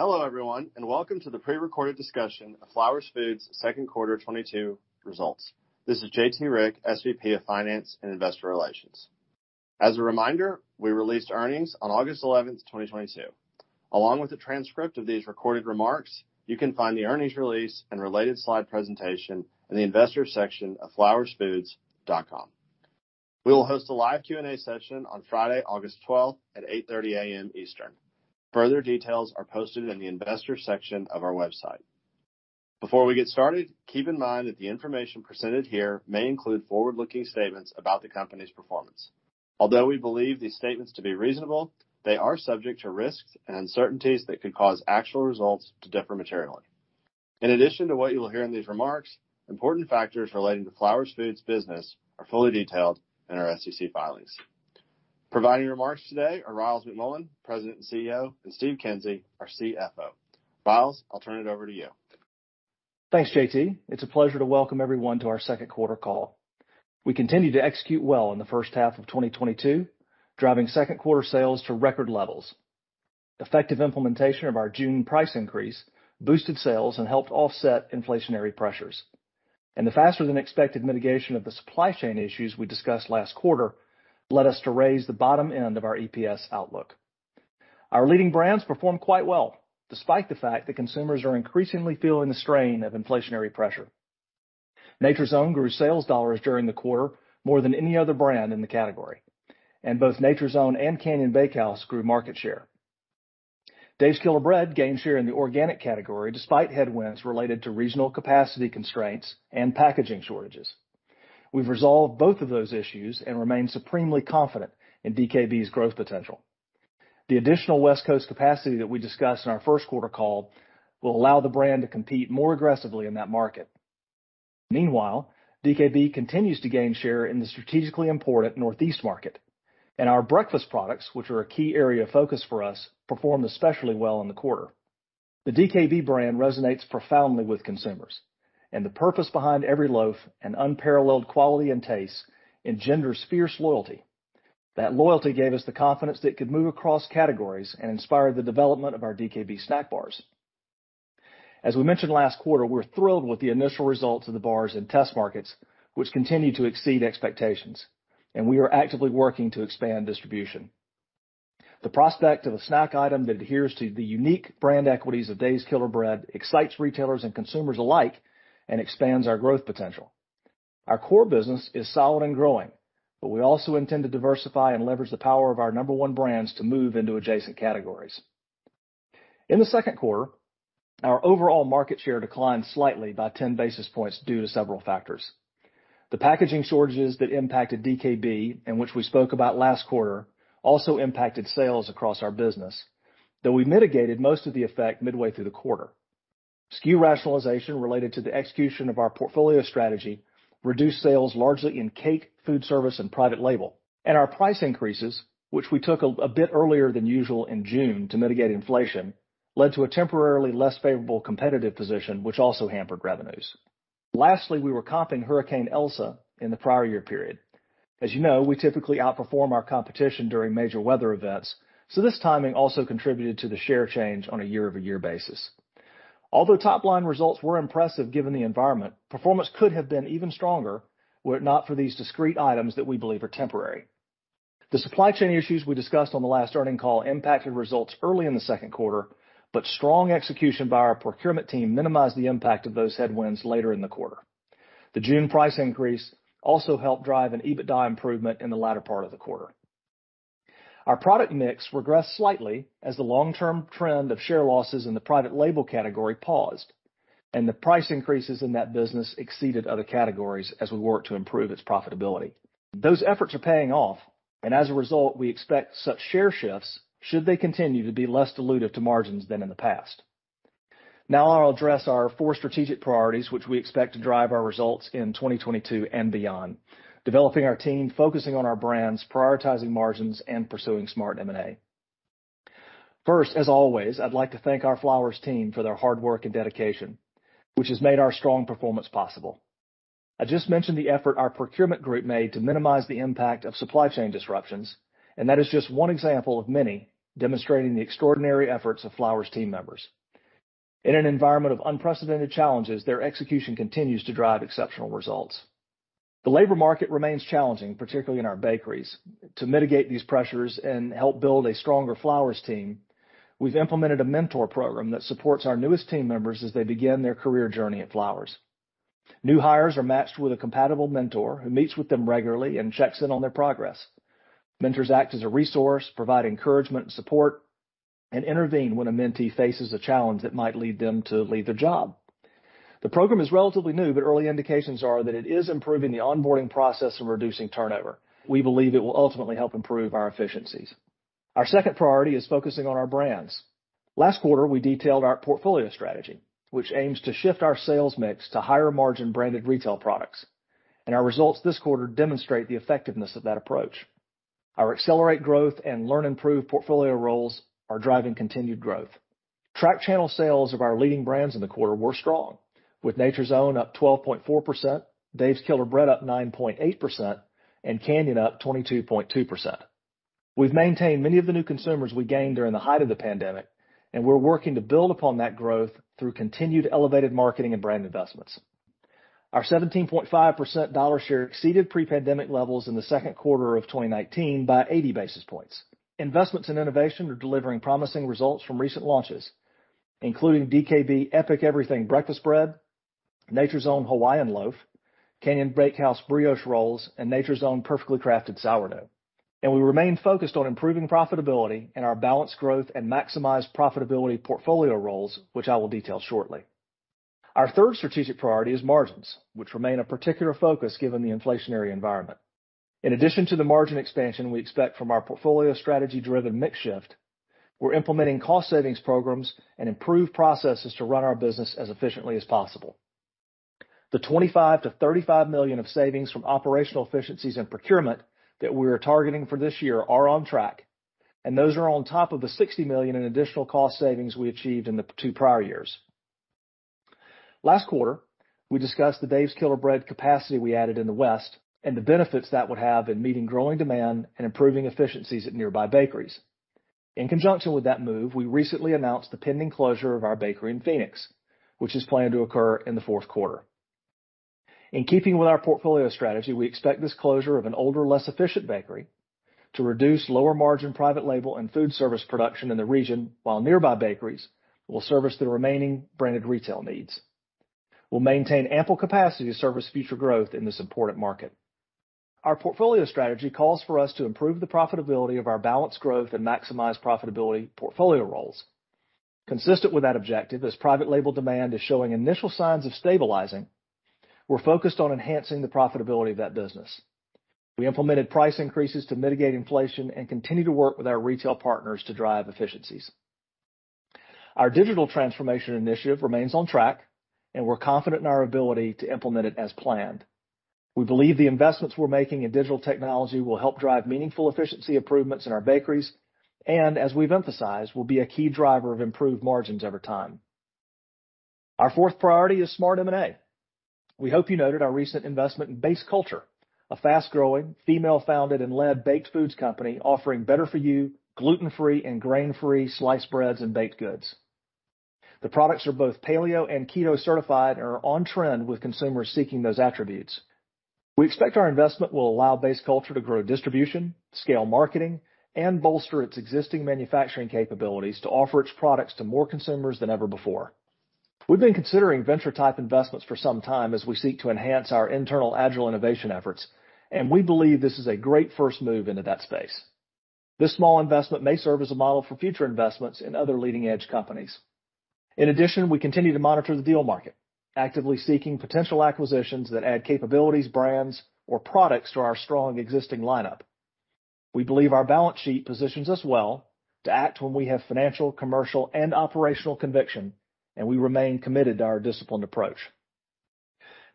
Hello, everyone, and welcome to the pre-recorded discussion of Flowers Foods second quarter 2022 results. This is J.T. Rieck, SVP of Finance and Investor Relations. As a reminder, we released earnings on August 11, 2022. Along with the transcript of these recorded remarks, you can find the earnings release and related slide presentation in the investors section of flowersfoods.com. We will host a live Q&A session on Friday, August 12 at 8:30 A.M. Eastern. Further details are posted in the investors section of our website. Before we get started, keep in mind that the information presented here may include forward-looking statements about the company's performance. Although we believe these statements to be reasonable, they are subject to risks and uncertainties that could cause actual results to differ materially. In addition to what you will hear in these remarks, important factors relating to Flowers Foods business are fully detailed in our SEC filings. Providing remarks today are Ryals McMullian, President and CEO, and Steve Kinsey, our CFO. Ryals, I'll turn it over to you. Thanks, J.T. It's a pleasure to welcome everyone to our second quarter call. We continue to execute well in the first half of 2022, driving second quarter sales to record levels. Effective implementation of our June price increase boosted sales and helped offset inflationary pressures. The faster than expected mitigation of the supply chain issues we discussed last quarter led us to raise the bottom end of our EPS outlook. Our leading brands performed quite well, despite the fact that consumers are increasingly feeling the strain of inflationary pressure. Nature's Own grew sales dollars during the quarter more than any other brand in the category, and both Nature's Own and Canyon Bakehouse grew market share. Dave's Killer Bread gained share in the organic category despite headwinds related to regional capacity constraints and packaging shortages. We've resolved both of those issues and remain supremely confident in DKB's growth potential. The additional West Coast capacity that we discussed in our first quarter call will allow the brand to compete more aggressively in that market. Meanwhile, DKB continues to gain share in the strategically important Northeast market. Our breakfast products, which are a key area of focus for us, performed especially well in the quarter. The DKB brand resonates profoundly with consumers, and the purpose behind every loaf and unparalleled quality and taste engenders fierce loyalty. That loyalty gave us the confidence that it could move across categories and inspired the development of our DKB snack bars. As we mentioned last quarter, we're thrilled with the initial results of the bars in test markets, which continue to exceed expectations, and we are actively working to expand distribution. The prospect of a snack item that adheres to the unique brand equities of Dave's Killer Bread excites retailers and consumers alike and expands our growth potential. Our core business is solid and growing, but we also intend to diversify and leverage the power of our number one brands to move into adjacent categories. In the second quarter, our overall market share declined slightly by 10 basis points due to several factors. The packaging shortages that impacted DKB, and which we spoke about last quarter, also impacted sales across our business, though we mitigated most of the effect midway through the quarter. SKU rationalization related to the execution of our portfolio strategy reduced sales largely in cake, food service, and private label. Our price increases, which we took a bit earlier than usual in June to mitigate inflation, led to a temporarily less favorable competitive position, which also hampered revenues. Lastly, we were comping Hurricane Elsa in the prior year period. As you know, we typically outperform our competition during major weather events, so this timing also contributed to the share change on a year-over-year basis. Although top line results were impressive given the environment, performance could have been even stronger were it not for these discrete items that we believe are temporary. The supply chain issues we discussed on the last earnings call impacted results early in the second quarter, but strong execution by our procurement team minimized the impact of those headwinds later in the quarter. The June price increase also helped drive an EBITDA improvement in the latter part of the quarter. Our product mix regressed slightly as the long-term trend of share losses in the private label category paused, and the price increases in that business exceeded other categories as we work to improve its profitability. Those efforts are paying off, and as a result, we expect such share shifts should they continue to be less dilutive to margins than in the past. Now I'll address our four strategic priorities, which we expect to drive our results in 2022 and beyond, developing our team, focusing on our brands, prioritizing margins, and pursuing smart M&A. First, as always, I'd like to thank our Flowers team for their hard work and dedication, which has made our strong performance possible. I just mentioned the effort our procurement group made to minimize the impact of supply chain disruptions, and that is just one example of many demonstrating the extraordinary efforts of Flowers team members. In an environment of unprecedented challenges, their execution continues to drive exceptional results. The labor market remains challenging, particularly in our bakeries. To mitigate these pressures and help build a stronger Flowers team, we've implemented a mentor program that supports our newest team members as they begin their career journey at Flowers. New hires are matched with a compatible mentor who meets with them regularly and checks in on their progress. Mentors act as a resource, provide encouragement and support, and intervene when a mentee faces a challenge that might lead them to leave their job. The program is relatively new, but early indications are that it is improving the onboarding process and reducing turnover. We believe it will ultimately help improve our efficiencies. Our second priority is focusing on our brands. Last quarter, we detailed our portfolio strategy, which aims to shift our sales mix to higher margin branded retail products. Our results this quarter demonstrate the effectiveness of that approach. Our accelerated growth and learn-improve portfolio roles are driving continued growth. Tracked channel sales of our leading brands in the quarter were strong, with Nature's Own up 12.4%, Dave's Killer Bread up 9.8%, and Canyon up 22.2%. We've maintained many of the new consumers we gained during the height of the pandemic, and we're working to build upon that growth through continued elevated marketing and brand investments. Our 17.5% dollar share exceeded pre-pandemic levels in the second quarter of 2019 by 80 basis points. Investments in innovation are delivering promising results from recent launches, including DKB Epic Everything Organic Breakfast Bread, Nature's Own Hawaiian Loaf, Canyon Bakehouse Brioche-Style Sweet Rolls, and Nature's Own Perfectly Crafted Sourdough Bread. We remain focused on improving profitability and our balanced growth- and profitability-maximizing portfolio roles, which I will detail shortly. Our third strategic priority is margins, which remain a particular focus given the inflationary environment. In addition to the margin expansion we expect from our portfolio strategy-driven mix shift, we're implementing cost savings programs and improved processes to run our business as efficiently as possible. The $25 million-$35 million of savings from operational efficiencies and procurement that we are targeting for this year are on track, and those are on top of the $60 million in additional cost savings we achieved in the two prior years. Last quarter, we discussed the Dave's Killer Bread capacity we added in the West and the benefits that would have in meeting growing demand and improving efficiencies at nearby bakeries. In conjunction with that move, we recently announced the pending closure of our bakery in Phoenix, which is planned to occur in the fourth quarter. In keeping with our portfolio strategy, we expect this closure of an older, less efficient bakery to reduce lower-margin private label and food service production in the region, while nearby bakeries will service the remaining branded retail needs. We'll maintain ample capacity to service future growth in this important market. Our portfolio strategy calls for us to improve the profitability of our balanced growth and maximize profitability portfolio roles. Consistent with that objective, as private label demand is showing initial signs of stabilizing, we're focused on enhancing the profitability of that business. We implemented price increases to mitigate inflation and continue to work with our retail partners to drive efficiencies. Our digital transformation initiative remains on track, and we're confident in our ability to implement it as planned. We believe the investments we're making in digital technology will help drive meaningful efficiency improvements in our bakeries, and as we've emphasized, will be a key driver of improved margins over time. Our fourth priority is smart M&A. We hope you noted our recent investment in Base Culture, a fast-growing female founded and led baked foods company offering better for you gluten-free and grain-free sliced breads and baked goods. The products are both paleo and keto certified and are on trend with consumers seeking those attributes. We expect our investment will allow Base Culture to grow distribution, scale marketing, and bolster its existing manufacturing capabilities to offer its products to more consumers than ever before. We've been considering venture type investments for some time as we seek to enhance our internal agile innovation efforts, and we believe this is a great first move into that space. This small investment may serve as a model for future investments in other leading-edge companies. In addition, we continue to monitor the deal market, actively seeking potential acquisitions that add capabilities, brands, or products to our strong existing lineup. We believe our balance sheet positions us well to act when we have financial, commercial, and operational conviction, and we remain committed to our disciplined approach.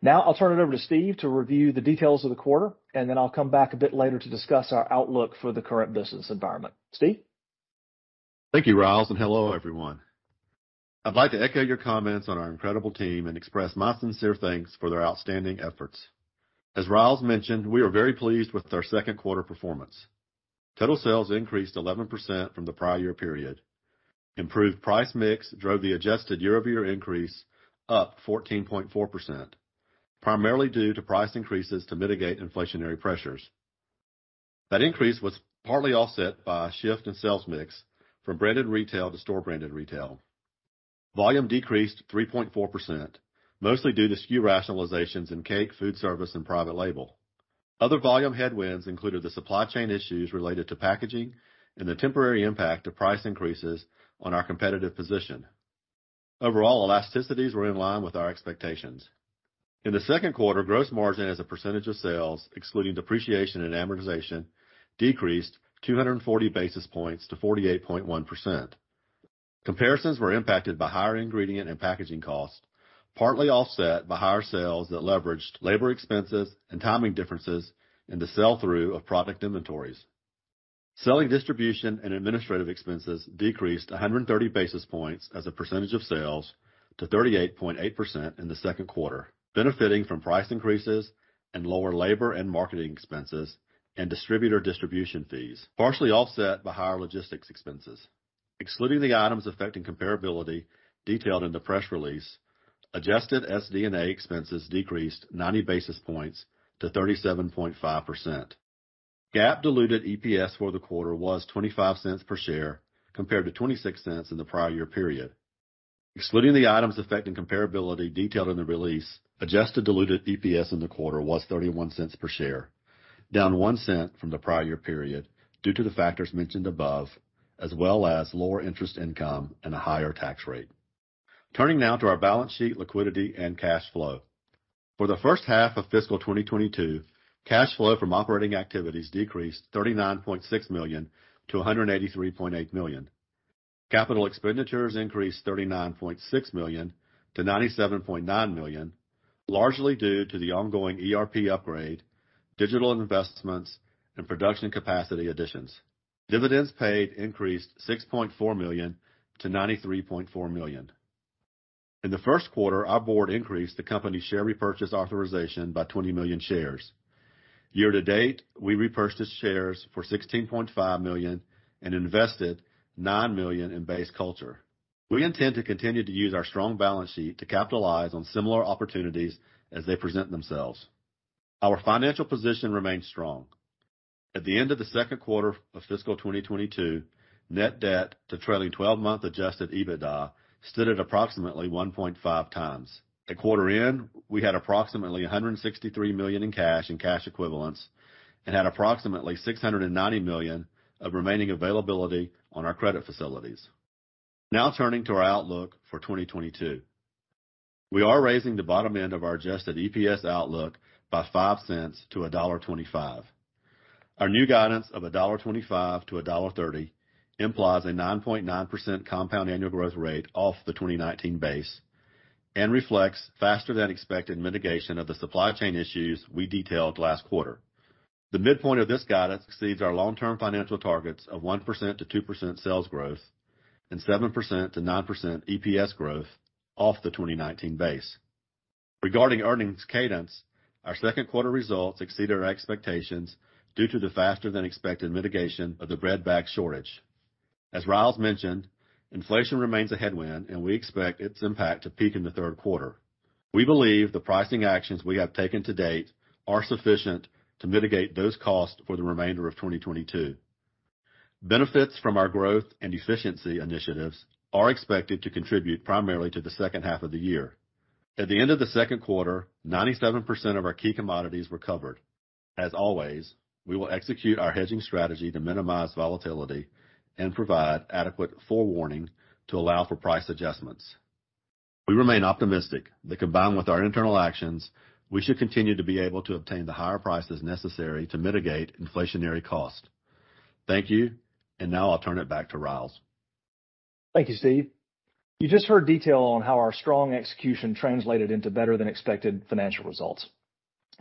Now I'll turn it over to Steve to review the details of the quarter, and then I'll come back a bit later to discuss our outlook for the current business environment. Steve? Thank you, Ryals, and hello, everyone. I'd like to echo your comments on our incredible team and express my sincere thanks for their outstanding efforts. As Ryals mentioned, we are very pleased with our second quarter performance. Total sales increased 11% from the prior year period. Improved price mix drove the adjusted year-over-year increase up 14.4%, primarily due to price increases to mitigate inflationary pressures. That increase was partly offset by a shift in sales mix from branded retail to store branded retail. Volume decreased 3.4%, mostly due to SKU rationalizations in cake, food service, and private label. Other volume headwinds included the supply chain issues related to packaging and the temporary impact of price increases on our competitive position. Overall elasticities were in line with our expectations. In the second quarter, gross margin as a percentage of sales, excluding depreciation and amortization, decreased 240 basis points to 48.1%. Comparisons were impacted by higher ingredient and packaging costs, partly offset by higher sales that leveraged labor expenses and timing differences in the sell-through of product inventories. Selling distribution and administrative expenses decreased 130 basis points as a percentage of sales to 38.8% in the second quarter, benefiting from price increases and lower labor and marketing expenses and distributor distribution fees, partially offset by higher logistics expenses. Excluding the items affecting comparability detailed in the press release, adjusted SD&A expenses decreased 90 basis points to 37.5%. GAAP diluted EPS for the quarter was $0.25 per share, compared to $0.26 in the prior year period. Excluding the items affecting comparability detailed in the release, adjusted diluted EPS in the quarter was $0.31 per share, down $0.01 from the prior year period due to the factors mentioned above, as well as lower interest income and a higher tax rate. Turning now to our balance sheet liquidity and cash flow. For the first half of fiscal 2022, cash flow from operating activities decreased $39.6 million-$183.8 million. Capital expenditures increased $39.6 million-$97.9 million. Largely due to the ongoing ERP upgrade, digital investments and production capacity additions. Dividends paid increased $6.4 million- $93.4 million. In the first quarter, our board increased the company's share repurchase authorization by 20 million shares. Year to date, we repurchased shares for $16.5 million and invested $9 million in Base Culture. We intend to continue to use our strong balance sheet to capitalize on similar opportunities as they present themselves. Our financial position remains strong. At the end of the second quarter of fiscal 2022, net debt to trailing twelve-month adjusted EBITDA stood at approximately 1.5X. At quarter end, we had approximately $163 million in cash and cash equivalents and had approximately $690 million of remaining availability on our credit facilities. Now turning to our outlook for 2022. We are raising the bottom end of our adjusted EPS outlook by $0.05-$1.25. Our new guidance of $1.25-$1.30 implies a 9.9% compound annual growth rate off the 2019 base and reflects faster than expected mitigation of the supply chain issues we detailed last quarter. The midpoint of this guidance exceeds our long-term financial targets of 1%-2% sales growth and 7%-9% EPS growth off the 2019 base. Regarding earnings cadence, our second quarter results exceeded our expectations due to the faster than expected mitigation of the bread bag shortage. As Ryals mentioned, inflation remains a headwind, and we expect its impact to peak in the third quarter. We believe the pricing actions we have taken to date are sufficient to mitigate those costs for the remainder of 2022. Benefits from our growth and efficiency initiatives are expected to contribute primarily to the second half of the year. At the end of the second quarter, 97% of our key commodities were covered. As always, we will execute our hedging strategy to minimize volatility and provide adequate forewarning to allow for price adjustments. We remain optimistic that combined with our internal actions, we should continue to be able to obtain the higher prices necessary to mitigate inflationary costs. Thank you, and now I'll turn it back to Ryals. Thank you, Steve. You just heard detail on how our strong execution translated into better than expected financial results.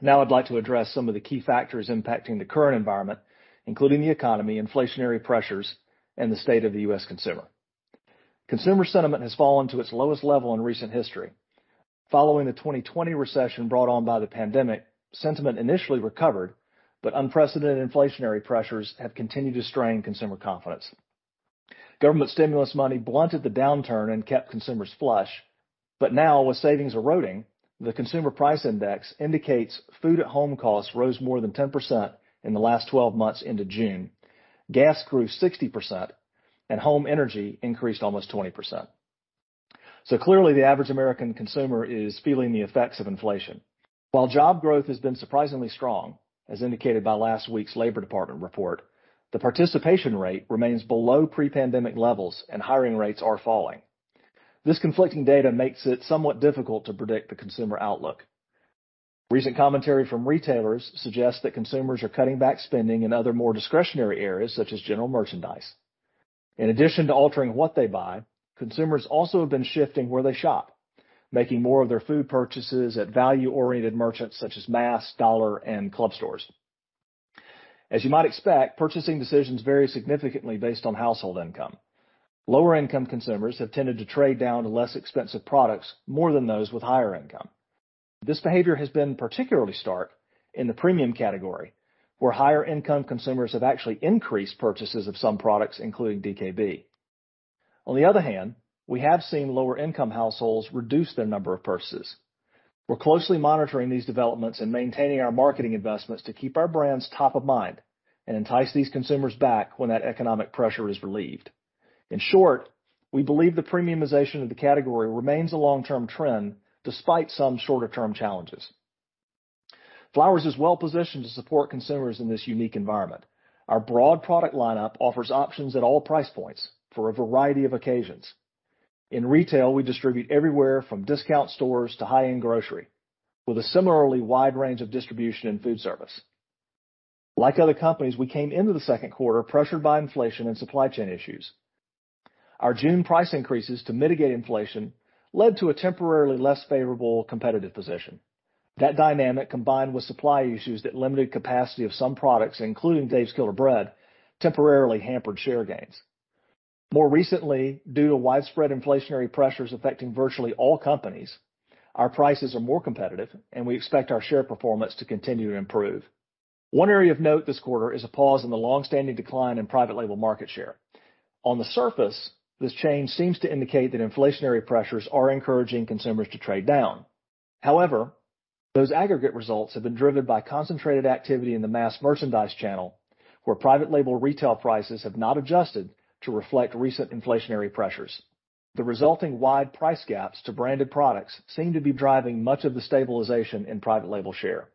Now I'd like to address some of the key factors impacting the current environment, including the economy, inflationary pressures, and the state of the U.S. consumer. Consumer sentiment has fallen to its lowest level in recent history. Following the 2020 recession brought on by the pandemic, sentiment initially recovered, but unprecedented inflationary pressures have continued to strain consumer confidence. Government stimulus money blunted the downturn and kept consumers flush. But now, with savings eroding, the Consumer Price Index indicates food at home costs rose more than 10% in the last 12 months into June. Gas grew 60% and home energy increased almost 20%. Clearly the average American consumer is feeling the effects of inflation. While job growth has been surprisingly strong, as indicated by last week's Labor Department report, the participation rate remains below pre-pandemic levels and hiring rates are falling. This conflicting data makes it somewhat difficult to predict the consumer outlook. Recent commentary from retailers suggests that consumers are cutting back spending in other more discretionary areas, such as general merchandise. In addition to altering what they buy, consumers also have been shifting where they shop, making more of their food purchases at value-oriented merchants such as mass, dollar, and club stores. As you might expect, purchasing decisions vary significantly based on household income. Lower income consumers have tended to trade down to less expensive products more than those with higher income. This behavior has been particularly stark in the premium category, where higher income consumers have actually increased purchases of some products, including DKB. On the other hand, we have seen lower income households reduce their number of purchases. We're closely monitoring these developments and maintaining our marketing investments to keep our brands top of mind and entice these consumers back when that economic pressure is relieved. In short, we believe the premiumization of the category remains a long-term trend despite some shorter term challenges. Flowers is well positioned to support consumers in this unique environment. Our broad product lineup offers options at all price points for a variety of occasions. In retail, we distribute everywhere from discount stores to high-end grocery, with a similarly wide range of distribution in food service. Like other companies, we came into the second quarter pressured by inflation and supply chain issues. Our June price increases to mitigate inflation led to a temporarily less favorable competitive position. That dynamic, combined with supply issues that limited capacity of some products, including Dave's Killer Bread, temporarily hampered share gains. More recently, due to widespread inflationary pressures affecting virtually all companies, our prices are more competitive and we expect our share performance to continue to improve. One area of note this quarter is a pause in the long-standing decline in private label market share. On the surface, this change seems to indicate that inflationary pressures are encouraging consumers to trade down. However, those aggregate results have been driven by concentrated activity in the mass merchandise channel, where private label retail prices have not adjusted to reflect recent inflationary pressures. The resulting wide price gaps to branded products seem to be driving much of the stabilization in private label share.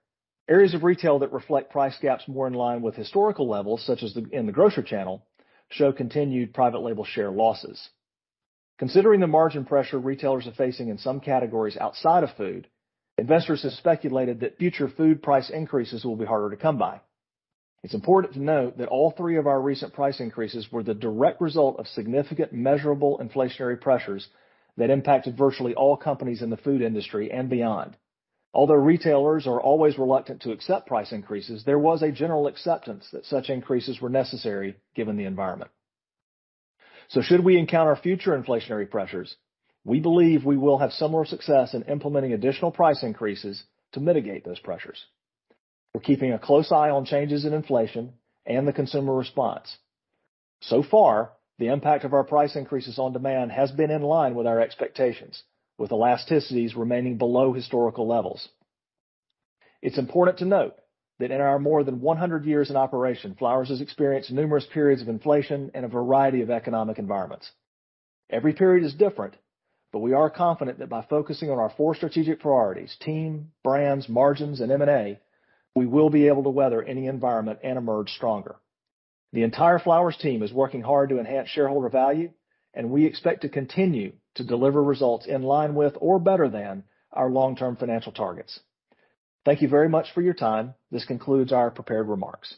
Areas of retail that reflect price gaps more in line with historical levels, such as in the grocery channel, show continued private label share losses. Considering the margin pressure retailers are facing in some categories outside of food, investors have speculated that future food price increases will be harder to come by. It's important to note that all three of our recent price increases were the direct result of significant measurable inflationary pressures that impacted virtually all companies in the food industry and beyond. Although retailers are always reluctant to accept price increases, there was a general acceptance that such increases were necessary given the environment. Should we encounter future inflationary pressures, we believe we will have similar success in implementing additional price increases to mitigate those pressures. We're keeping a close eye on changes in inflation and the consumer response. So far, the impact of our price increases on demand has been in line with our expectations, with elasticities remaining below historical levels. It's important to note that in our more than one hundred years in operation, Flowers has experienced numerous periods of inflation in a variety of economic environments. Every period is different, but we are confident that by focusing on our four strategic priorities, team, brands, margins, and M&A, we will be able to weather any environment and emerge stronger. The entire Flowers team is working hard to enhance shareholder value, and we expect to continue to deliver results in line with or better than our long-term financial targets. Thank you very much for your time. This concludes our prepared remarks.